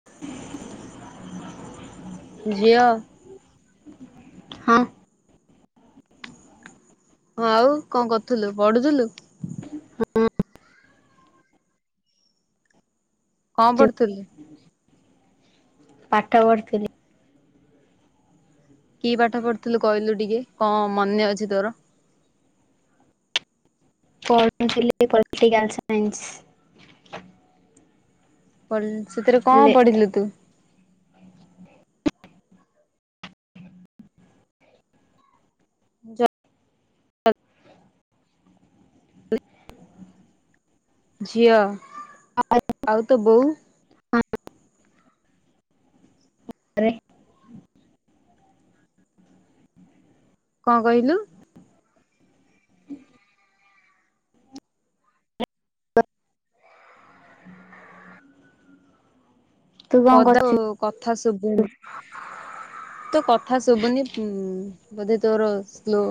[inaudible] ଝିଅ। ହଁ। ହଁ ଆଉ କଣ କରୁଥୁଲୁ ପଢୁଥୁଲୁ? କଣ ମୁଁ ପଢୁଥୁଲୁ? ପାଠ ପଢିଥିଲି। କି ପାଠ ପଢୁଥୁଲୁ କହିଲୁ ଟିକେ କଣ ମନେ ଅଛି ତୋର? ପଢୁଥିଲି ପଲ୍ଟିକାଲ୍ ସାଇନ୍ସ୍। [unintelligible] ସେଥିରେ ଲେ କଣ୍ ପଢିଲୁ ତୁ? ଯ ଝିଅ ଆଉ ତ ବଉ? [inaudible] କଣ୍ କହିଲୁ? ତୁ କଣ ପଦାକୁ। କରୁଛୁ କଥା ଶୁବୁନି। ତ କଥା ଶୁବୁନି ଉଁ -ବୋଧେ ତୋର ସ୍ଲୋ।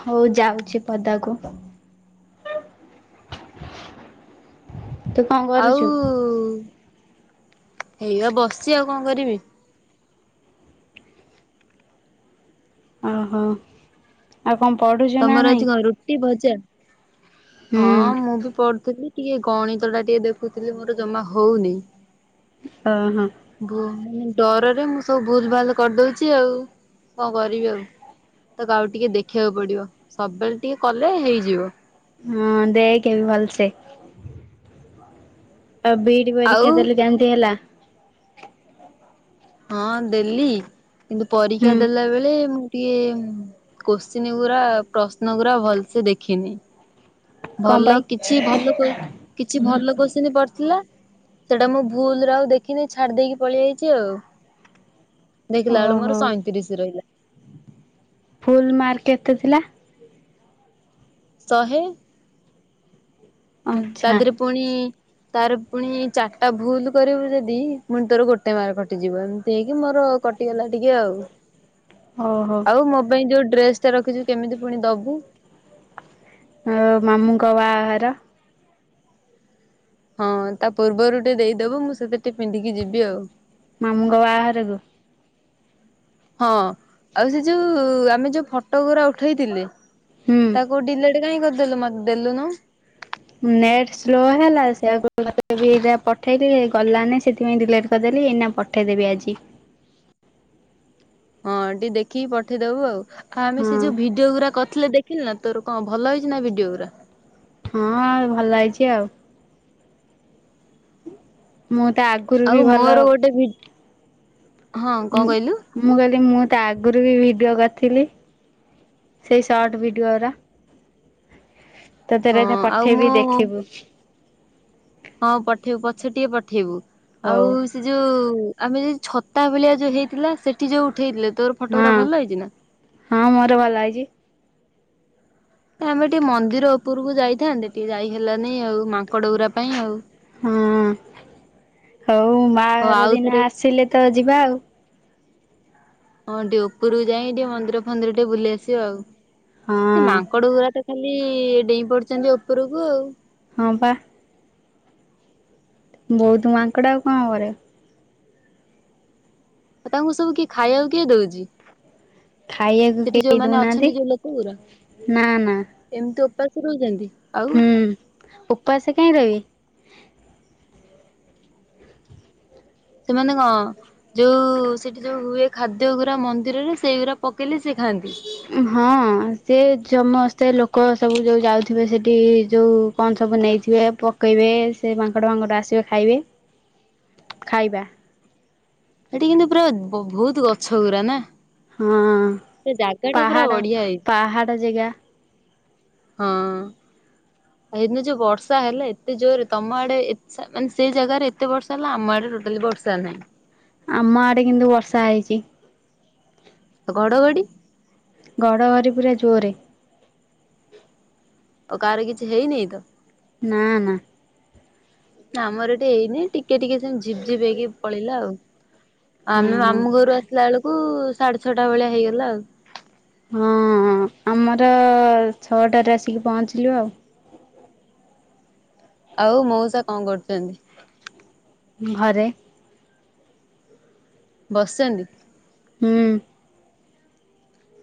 ହଉ ଯାଉଚି ପଦାକୁ। ତୁ ଆଉ କରୁଛୁ ହେଇଆ ବସିଚି ଆଉ କଣ କରିବି। ଓହୋ। ଆଉ କଣ ପଢୁଚ୍ ତମର ଆଜି କଣ୍ ରୁଟି ଭଜା ହୁଁ -ହଁ ମୁଁ ବି ପଢୁଥିଲି। ଟିକେ ଗଣିତ ଟା ଟିକେ ଦେଖୁଥିଲି ମୋର ଜମା ହଉନି। ଅ- ହଁ। ଭୁ- ଡରରେ ମୁଁ ସବୁ ଭୁଲ୍ ଭାଲ୍ କରିଦଉଚି ଆଉ। କଣ କରିବି ଆଉ ତାକୁ ଆଉ ଟିକେ ଦେଖିବାକୁ ପଡିବ ସବୁବେଳେ ଟିକେ କଲେ ହେଇଯିବ। ହଁ ଦେଖେ ଭଲ୍ ସେ। ଆଉ ବିଇଡି ପରୀକ୍ଷା ଆଉ ଦେଲୁ କେମିତି ହେଲା? ହଁ ଦେଲି କିନ୍ତୁ ପରୀକ୍ଷା ହୁଁ ଦେଲା ବେଳେ ମୁଁ ଟିଏ କୋଶ୍ଚିନ୍ ଗୁରା ପ୍ରଶ୍ନ ଗୁରା ଭଲସେ ଦେଖିନି। କଣ ଭଲ ପାଇଁ କିଛି ଭଲ କୋ କିଛି ଭଲ କୋଶ୍ଚିନ୍ ପଡିଥିଲା। ସେଡା ମୁଁ ଭୁଲରେ ଆଉ ଦେଖିନି ଛାଡି ଦେଇକି ପଳେଇ ଯାଇଚି ଆଉ। ଦେଖିଲା ବେଳୁକୁ ମୋର ଓହୋ ସଇଁତିରିଶି ରହିଲା। ଫୁଲ୍ ମାର୍କ କେତେ ଥିଲା? ଶହେ। ହୁଁ ତା ଆଚ୍ଛା ଦେହରେ ପୁଣି ତାର ପୁଣି ଚାରିଟା ଭୁଲ କରିବୁ ଯଦି ପୁଣି ତୋର ଗୋଟେ ମାର୍କ କଟିଯିବ। ଏମିତି ହେଇକି ମୋର କଟିଗଲା ଟିକିଏ ଆଉ। ଓହୋ ଆଉ ମୋ ପାଇଁ ଯୋଉ ଡ୍ରେସ ଟା ରଖିଚୁ କେମିତି ପୁଣି ଦବୁ? ଆଁ ମାମୁଁଙ୍କ ବାହାଘର। ହଁ ତା ପୂର୍ବରୁ ଟିକିଏ ଦେଇଦବୁ ମୁଁ ସେତି ଟିକିଏ ପିନ୍ଧିକି ଯିବି ଆଉ। ମାମୁଁଙ୍କ ବାହାଘରକୁ? ହଁ ଆଉ ସେ ଯୋଉ ଆମେ ଯୋଉ ଫଟ ଗୁରା ଉଠେଇଥିଲେ ହୁଁ ତାକୁ ଡିଲେଟ୍ ଏ କାଇଁ କରିଦେଲୁ ମତେ ଦେଲୁନୁ? ନେଟ୍ ସ୍ଲୋ ହେଲା ସେଇଆକୁ କହିଲି ଏରା ପଠେଇଦିଏ ଗଲାନି। ସେଥିପାଇଁ ଡିଲେଟ୍ କରିଦେଲି। ଏଇନା ପ ପଠେଇ ଦେବି ଆଜି। ହଁ ଟିକିଏ ଦେଖିକି ପଠେଇଦବୁ ଆଉ। ଆମେ ସେ ହଁ ଯୋଉ ଭି ଯୋଉ ଗୁରା କରିଥିଲେ ଦେଖିଲୁ ନା। ତୋର କଣ ଭଲ ହେଇଚି ନା ଭିଡିଓ ଗୁରା? ହଁ ଭଲ ହେଉଚି ଆଉ। ମୁଁ ତ ଆଗ୍ ଆଉ ମୋର ଗୋଟେ ଭି ହଁ କଣ ମୁଁ କଇଲୁ? ମୁଁ କଇଲି ମୁଁ ତା ଆଗରୁ ବି ଭିଡିଓ କରିଥିଲି। ସେଇ ସର୍ଟ ଭିଡିଓ ଉରା। [inaudible] ତତେ ରହିଥା ଆଉ ପଠେଇବି ମୁଁ ଦେଖିବୁ। ହଁ ପଠେଇବୁ ପଛରେ ଟିକିଏ ପଠେଇବୁ ହଉ ଆଉସ୍ ସେ ଯୋଉ ଆମେ ଯୋଉ ଛତା ଭଳିଆ ଯୋଉ ହେଇଥିଲା ସେଠି ଯୋଉ ଉଠେଇଥିଲେ। ତୋର ଫଟୋ ହଁ ଗୁରା ଭଲ ହେଇଚି ନା? ହଁ ମୋର ଭଲ ହେଇଚି। ଆମେ ଟିକିଏ ମନ୍ଦିର ଉପରକୁ ଯାଇଥାନ୍ତେ। ଟିକିଏ ଯାଇ ହେଲାନି ଆଉ ମାଙ୍କଡ ଗୁରା ପାଇଁ ଆଉ। ହଁ ହଉ ମା ହଉ ଘର ଆଉ ଥରେ ଦିନ ଆସିଲେ ତ ଯିବା ଆଉ। ହଁ ଟିକିଏ ଉପରକୁ ଯାଇ ଟିକିଏମନ୍ଦିର ଫନ୍ଦିର ଟିକିଏ ବୁଲି ଆସିବା ଆଉ। ହଁ। ମାଙ୍କଡ ଗୁୁରା ତ ଖାଲି ଡେଇଁ ପଡୁଚନ୍ତି ଉପରକୁ ଆଉ। ହଁ ପା। ବହୁତ୍ ମାଙ୍କଡ ଆଉ କଣ କରିବ। ଆଉ ତାଙ୍କୁ ସବୁ କିଏ ଖାଇବାକୁ କିଏ ଦୋଉଚି? ଖାଇବାକୁ ସେଠି କେହି ଯୋଉମାନେ ଦଉନାହାନ୍ତି। ଅଛନ୍ତି ଯୋଉ ଲୋକ ଗୁରା। ନା ନା ଏମିତି ଉପାସ୍ ରହୁଚନ୍ତି? ହୁଁ ଉପାସେ କାଇଁ ରଇବେ। ସେମାନେ କଣ ଯୋଉ ସେଠି ଯୋଉ ହୁଏ ଖାଦ୍ୟ ଗୁରା ମନ୍ଦିରରେ ସେଇଗୁରା ପକେଇଲେ ସେ ଖାଆନ୍ତି। ହଁ ସେ ଜମସ୍ତେ ଲୋକ ସବୁ ଯୋଉ ଯାଉଥିବେ ସେଇଠି ଯୋଉ କଣ ସବୁ ନେଇଥିବେ। ପକେଇବେ ସେ ମାଙ୍କଡ଼ ଫାଙ୍କଡ଼ ଆସିବେ ଖାଇବେ। [inaudible] ଖାଇବା। ସେଠି କିନ୍ତୁ ପୁରା ବ ବହୁତ ଗଛ ଗୁରା ନା। ହଁ ସେ ଜାଗା ଟା ପୁରା ପାହାଡ଼ ବଢିଆ ହେଇଛି। ପାହାଡ଼ ଜେଗା। ହଁ। ହେଇଦିନ ଯୋଉ ବର୍ଷା ହେଲା ଏତେ ଜୋରେ ତମ ଆଡେ ଏ ସାରା ମାନେ ସେଇ ଜାଗାରେ ଏତେ ବର୍ଷା ହେଲା ଆମ ଆଡେ ଟୋଟାଲି ବର୍ଷା ସା ନାହିଁ। ଆମ ଆଡେ କିନ୍ତୁ ବର୍ଷା ହେଇଚି। ଆ ଘଡଘଡି। ଘଡ଼ଘରି ପୁରା ଜୋରେ। ଆଉ କାଆର କିଛି ହେଇନେଇ ତ। ନା ନା। ଆମର ଏଠି ହେଇନି ଟିକେ ଟିକେ ସେ ଝିପ ଝିପ ହେଇକି ପଳେଇଲା ଆଉ। ହଁ ଆମେ ହଁ ମାମୁ ଘରୁ ଆସିଲା ବେଳକୁ ସାଢେ ଛଅଟା ଭଳିଆ ହେଇଗଲା ଆଉ। ହଁ ହଁ ଆମର ଛଅଟାରେ ଆସିକି ପହଞ୍ଚିଲୁ ଆଉ। ଆଉ ମଉସା କଣ କରୁଚନ୍ତି। ଘରେ। ବସିଚନ୍ତି। ହୁଁ।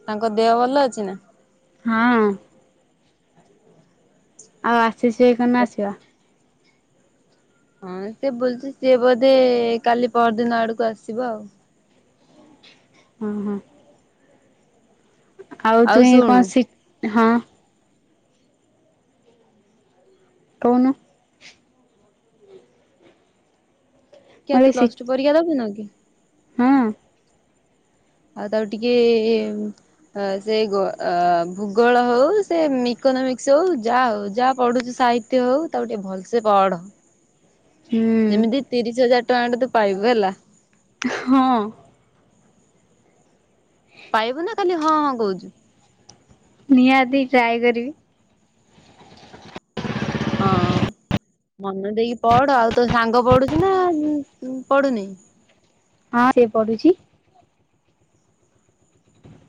ତାଙ୍କ ଦେହ ଭଲ ଅଛି ନା। ହଁ। ଆଉ ଆସିଚି ଏଇଖନା ଆସିବ। ହଁ ସେ ବୁଲୁଚି ସିଏ ବୋଧେ କାଲି ପର ଦିନ ଆଡକୁ ଆସିବ ଆଉ। ହଁ ହଁ ଆଉ ତୁଇ କଣ ସିକ୍ ହଁ କହୁନୁ କିଆ ମତେ ତୁ ସି ପ୍ଲସ ଟୁ ପରିକା ଦବୁନୁ କି ହଁ ଆଉ ତାଉ ଟିକେ ହ ସେଇ ଗ ଭୂଗୋଳ ହଉ ସେ ଇକୋନୋମିକ୍ସ ହଉ ଯାହା ହଉ ଯାହା ପଢୁଛି ସାହି ତି ହଉ ତାକୁ ଟିକେ ଭଲସେ ପଢ ହୁଁ ଯେମିତି ତିରିଶ ହଜାର ଟଙ୍କା ଟେ ତ ପାଇବୁ ହେଲା ହଁ ପାଇବୁ ନା ଖାଲି ହଁ ହଁ କହୁଛୁ ନିହାତି ଟ୍ରାଏ କରିବି ହଁ ମନ ଦେଇକି ପଢ ଆଉ ତୋ ସାଙ୍ଗ ପଡୁଛି ନା ପଢୁନି ହଁ ସେ ପଢୁଛି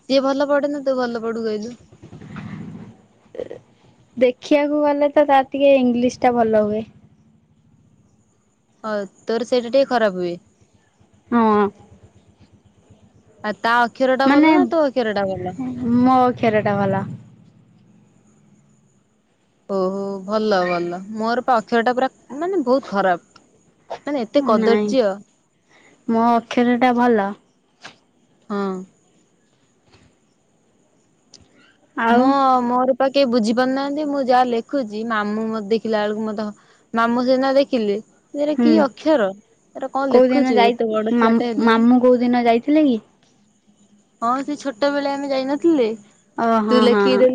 ସିଏ ଭଲ ପଢେନ ତୁ ଭଲ ପଢୁ କହିଲୁ ଦେଖିବାକୁ ଗଲେ ତ ତା ଟିକେ ଇଂଲିଶ ଟା ଭଲ ହୁଏ ହଉ ତୋର ସେଇଟା ଟିକେ ଖରାପ ହୁଏ ହଁ ଆଉ ତା ଅକ୍ଷର ଟା ମାନେ ଭଲ ନା ତୋ ଅକ୍ଷର ଟା ଭଲ ମୋ ଅକ୍ଷୀର ଟା ଭଲ ଓହୋ ଭଲ ଭଲ ମୋର ପା ଅକ୍ଷର ଟା ପୁରା ମାନେ ବହୁତ ଖରାପ ମାନେ ଏତେ ନାଇଁ କଦର୍ଯ୍ୟ ମୋ ଅକ୍ଷର ଟା ଭଲ ହଁ। ଆଉ ମୋ ମୋର ପା କେହି ବୁଝିପାରୁନାହାନ୍ତି ମୁଁ ଯାହା ଲେଖୁଛି ମାମୁଁ ମତେ ଦେଖିଲା ବେଳକୁ ମତେ ମାମୁଁ ସିନା ଦେଖିଲି। ଏରା କି ହୁଁ ଅକ୍ଷର ଏଟା କଣ କୋଉଦିନ ଲେଖୁଛୁ ଯାଇ ଏତେ ବଡ ଛୁଆ ଟା ହେଲୁଣି। ମାମୁଁ କୋଉଦିନ ଯାଇଥିଲେ କି? ହଁ ସେ ଛୋଟ ବେଳେ ଆମେ ଯାଇ ନଥିଲେ। ଓ ହଁ ହଁ ହଁ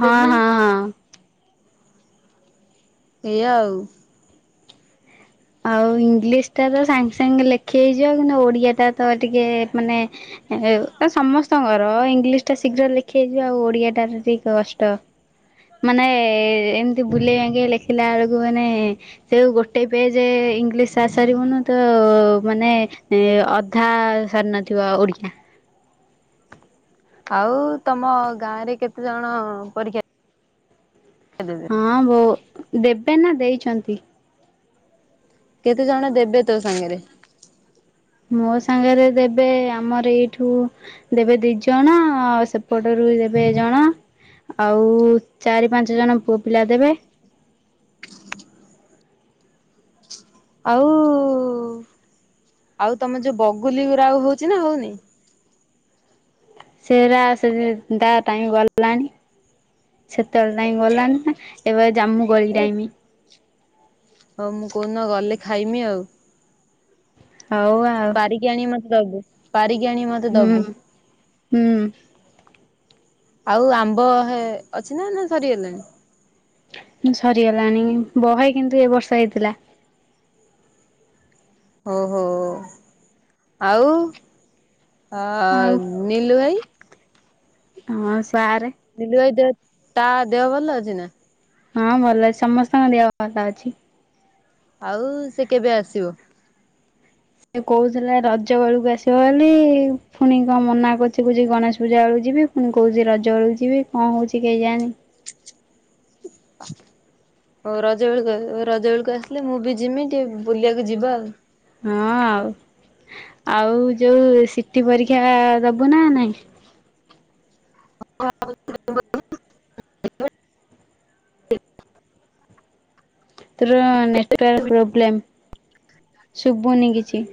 ହଁ ଦେଲି। ହଁ ହଁ। ଏଇଆ ଆଉ। ଆଉ ଇଂଲିଶ ଟା ତ ସାଙ୍ଗେ ସାଙ୍ଗେ ଲେଖି ହେଇଯିବ କିନ୍ତୁ ଓଡିଆ ଟା ତ ଟିକେ-ଏ-ଏ ମାନେ ଏ ସମସ୍ତଙ୍କର ଇଂଲିଶ ଟା ଶୀଘ୍ର ଲେଖି ହେଇଯିବ ଆଉ ଓଡିଆ ଟା ଟିକେ କଷ୍ଟ। ମାନେ-ଏ-ଏ-ଏ-ଏ ଏମିତି ବୁଲେଇ ବାଙ୍କେଇ ଲେଖିଲା ବେଳକୁ ମାନେ-ଏ-ଏ ସେଉ ଗୋଟେ ପେଜ ଯେ-ଏ ଇଂଲିଶ ସାରି ସାରିବୁନୁ ତ-ଅ-ଅ ମାନେ ଏ ଅଧା ସରି ନଥିବ ଓଡ଼ିଆ। ଆଉ-ଉ ତମ ଗାଁ ରେ କେତେ ଜଣ-ଅ ପରୀକ୍ଷା ଦେବେ? ହଁ ବଉ ଦେବେ ନା ଦେଇଛନ୍ତି? କେତେ ଜଣ ଦେବେ ତୋ ସାଙ୍ଗରେ? ମୋ ସାଙ୍ଗରେ ଦେବେ ଆମର ଏଇଠୁ ଦେବେ ଦି ଜଣ ଆଉ ସେ ପଟରୁ ଦେବେ ଜଣ ଆଉ ଚାରି ପାଞ୍ଚ ଜଣ ପୁଅ ପିଲା ଦେବେ। ଆଉ-ଉ-ଉ-ଉ-ଉ ଆଉ ତମେ ଯୋଉ ବଗୁଲି ଗୁରା ଆଉ ହଉଛି ନା ହଉନି? ସେରା ସେ ଦା ଟାଇମ୍ ଗଲାଣି ସେତେବେଳେ ଟାଇମ୍ ଗଲାଣି ନା। ଏବେ ଜାମୁଁ କୋଳି ଟାଇମ୍। ହଉ ମୁଁ କଉ ଦିନ ଗଲେ ଖାଇମି ଆଉ। ହଉ ଆ। ପାରିକି ଆଣି ମତେ ଦବୁ ପାରିକି ଆଣି ମ ହୁଁ ହୁଁ। ଆଉ ଆମ୍ବ ହେ ଅଛି ନା ନା ସରିଗଲାଣି? ସରିଗଲାଣି ବହେ କିନ୍ତୁ ଏ ବର୍ଷ ହେଇଥିଲା। ହଉ ହଉ ହୋ ଆଉ ଆଉ ଆ-ଆ-ଆ ନିଲୁ ଭାଇ ହଁ ସାର୍ ନିଲୁ ଭାଇ ଦେହ ତା ଦେହ ଭଲ ଅଛି ନା? ହଁ ଭଲ ଅଛି ସମସ୍ତଙ୍କ ଦେହ ଭଲ ଅଛି। ଆଉ-ଉ-ଉ ସେ କେବେ ଆସିବ? ସେ କହୁଥିଲା ରଜ ବେଳକୁ ଆସିବ ବୋଲି-ଇ-ଇ ପୁଣି କଣ ମନା କରୁଛି କହୁଛି ଗଣେଶ ପୂଜା ବେଳକୁ ଯିବି। ପୁଣି କହୁଛି ରଜବେଳ କୁ ଯିବି କଣ ହଉଛି କେଜାଣି? ଓ ରଜ ବେଳକୁ ରଜ ବେଳକୁ ଆସିଲେ ମୁଁ ବି ଯିମି ଟିକେ ବୁଲିବାକୁ ଯିବା ଆଉ। ହଁ ଆଉ, ଆଉ ଯୋଉ ସି ଟି ପରୀକ୍ଷା ଦବୁ ନା ନାଇଁ? ତୋର ନେଟୱାର୍କ ପ୍ରୋବ୍ଲେମ୍ ଶୁଭୁନି କିଛି।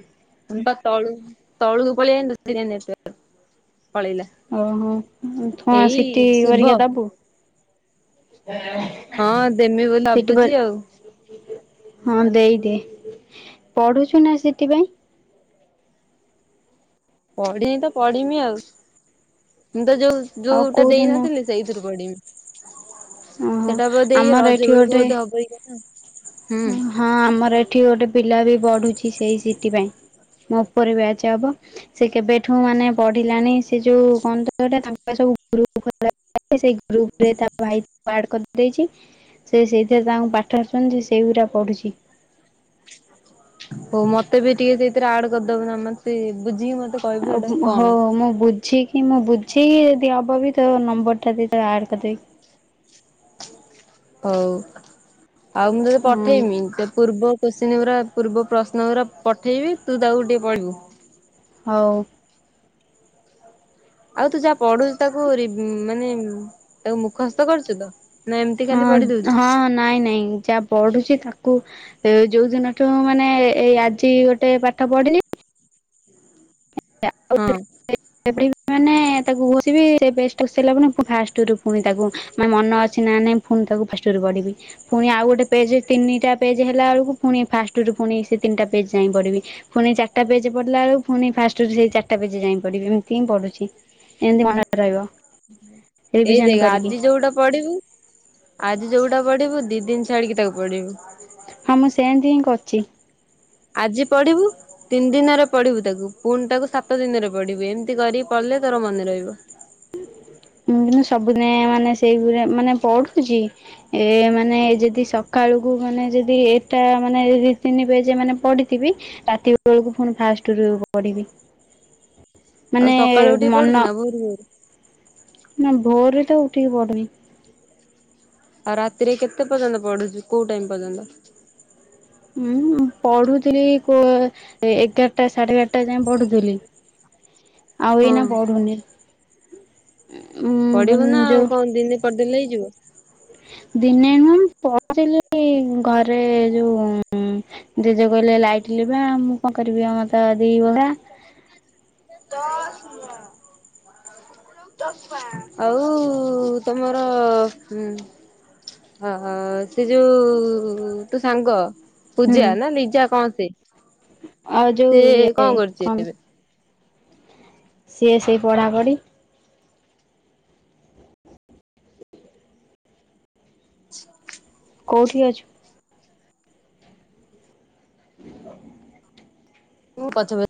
ମୁଁ ବା ତଳକୁ ତଳକୁ ପଳିଆଇଲି ସେଥିପାଇଁ ତ ନେଟୱର୍କ ପଳେଇଲା। ଓହୋ ହଁ ଏଇ ସି ଟି ପରିକ୍ଷା ଶୁଭ ଦବୁ? ହଁ ଦେମି ବୋଲି ସିଟି ଭାବୁଛି ଆଉ। ପରୀ ହଁ ଦେଇଦେ ପଢୁଛୁ ନା ସି ଟି ପାଇଁ? ପଢିନି ତ ପଢିମି ଆଉ ମୁଁ ତ ଯୋଉ ଆଉ ଯୋଉଟା କୋଉ ଦିନ ଦେଇନଥିଲି ସେଇଥିରୁ ପଢିମି ଓହୋ ସେଟା ବୋଧେ ଏ ଆମର ରଜ ଏଠି ବେଳକୁ ଗୋଟେ ବୋଧେ ହବଇ କ ହଁ ଆମର ଏଠି ଗୋଟେ ପିଲା ବି ବଢୁଛି ସେଇ ସି ଟି ପାଇଁ। ମୋ ଉପରେ ବ୍ୟାଚ ହବ ସେ କେବେଠୁ ମାନେ ପଢିଲାଣି ସେ ଯୋଉ କନ୍ତ [unintelligible] ତାଙ୍କ ସବୁ ଗ୍ରୁପ [unintelligible] ସେଇ ଗ୍ରୁପ ରେ ତା ଭାଇ ତାକୁ ଆଡ଼ କରିଦେଇଛି। ସେ ସେଇଥିରେ ତାଙ୍କୁ ପାଠ ଢୁଛନ୍ତି ସେଇଗୁଡା ପଢୁଛି। ହଉ ମତେ ବି ଟିକେ ସେଇଥିରେ ଆଡ କରିଦବୁ ନା ମତେ ବୁଝିକି ମତେ କହିବି ଆଉ ସେଇଟା କଣ? ହଉ ବୁଦ୍ଧ ଠିକ୍ ହଁ ମୁଁ ବୁଝିକି ଯଦି ହବ ବି ତୋ ନମ୍ବର ଟା ଦେବି ତତେ ଆଡ୍ କରିଦେବି। ହଉ ଆଉ ମୁଁ ତତେ ହଁ ପଠେଇମି ତା ପୂର୍ବ କୋଶ୍ଚିନ୍ ଗୁଡ଼ା ପୂର୍ବ ପ୍ରଶ୍ନ ଗୁଡ଼ା ପଠେଇବି ତୁ ତାକୁ ଟିକେ କହିବୁ। ହଉ। ଆଉ ତୁ ଯାହା ପଢୁଛୁ ତାକୁ ରି ମାନେ ତାକୁ ମୁଖସ୍ତ କରୁଛୁ ତ? ନା ଏମିତି ଖାଲି ହଁ ପଢି ଦଉଛୁ ହଁ ନାଇଁ ନାଇଁ ଯା ବଢୁଛି ତାକୁ ତ ଯୋଉ ଦିନଠୁ ମାନେ ଏଇ ଆଜି ଗୋଟେ ପାଠ ପଢିଲି ହଁ [unintelligible] [unintelligible] ମାନେ ତାକୁ ଘୋଷିବି ସେ ଘୋଷି ସରିବା ପରେ ପୁଣି ତାକୁ ମାନେ ମନ ଅଛି ନା ନାଇଁ ଫୁନ୍ ତାକୁ ଫାଷ୍ଟରେ ପଢ଼ିବି। ପୁଣି ଆଉ ଗୋଟେ ପେଜ ତିନିଟା ପେଜ୍ ହେଲା ବେଳକୁ ପୁଣି ଫାଷ୍ଟରୁୁ ପୁଣି ସେ ତିନିଟା ପେଜ୍ ଯାଏଁ ପଡିବି। ଫୁଣି ଚାରଟା ପେଜେ ପଡିଲାବେଳକୁ ଫୁଣି ଫା ରୁ ସେଇ ଚାରିଟା ପେଜେ ଯାଏଁ ପଡିବି ଏମିତି ହିଁ ପଢୁଛି ଏମିତି ହିଁ ମନରେ ରହିବ। ହୁଁ ଏଇ ଦେ ରିଭିଜନ କରିକି ଆଜି ଯୋଉଟା ପଢିବୁ ଆଜି ଯୋଉଟା ପଢିବୁ ଦି ଦିନ ଛାଡିକି ତାକୁ ପଢିବୁ। ହଁ ମୁଁ ସେନ୍ତି ହିଁ କରୁଛି। ଆଜି ପଢିବୁ ତିନି ଦିନରେ ପଢିବୁ ତାକୁ ପୁଣି ତାକୁ ସାତ ଦିନରେ ପଢିବୁ ଏମିତି କରିକି ପଢିଲେ ତୋର ମନେ ରହିବ। ଉଁ କିନ୍ତୁ ସବୁଦିନେ ମାନେ ସେଇ ଗୁରା ମାନେ ପଢୁଛି ଏ ମାନେ ଯଦି ସକାଳୁ କୁ ମାନେ ଯଦି ଏଟା ମାନେ ଦି ତିନି ପେଜେ ମାନେ ପଡ଼ିଥିବି ରାତି ବେଳକୁ ପୁଣି ଫାଷ୍ଟରୁ ପଢିବି। ଆଉ ମାନେ ସକାଳୁ ଉଠିକି ମନ ପଡୁଛୁ ନା ଭୋରୁ ଭୋରୁ? ନା ଭୋର ରୁ ତ ଉଠିକି ପଡୁନି। ଆଉ ରାତିରେ କେତେ ପର୍ଯ୍ୟନ୍ତ ପଡୁଛୁ କୋଉ ଟାଇମ ପର୍ଯ୍ୟନ୍ତ? ହୁଁ ମୁଁ ପଢୁଥିଲି କୋ ଏଗାରଟା ସାଢେ ଏଗାରଟା ଯାଏ ପଢୁଥିଲି। ଥିଲି ଆଉ ହଁ ଏଇନା ପଡୁନି। ପଢିବୁ ନା ଆଉ କଣ ଦିନେ ପଢ଼ି ଦେଲେ ହେଇଯିବ? ଦିନେ ମୁଁଁ ପଢୁ ଥିଲି ଘରେ ଯୋଉ ଜେଜେ କହିଲେ ଲାଇଟ୍ ଲିଭା ମୁଁ କଣ କରିବି ଆଉ ଆମର ତ ଦି ବଖରା। ତ ସୁ ଆଉ ତମର ଉଁ ହ ସେ ଯୋଉ ତୋ ସାଙ୍ଗ ହୁଁ ପୂଜା ନା ଲିଜା କଣ ସେ ଆଉ ଯୋଉ ସେ ଇଏ କଣ କରୁଛି ଏବେ? ସିଏ ସେଇ ପଢ଼ାପଢ଼ି। କୋଉଠି ଅଛୁ? ହ ପଛ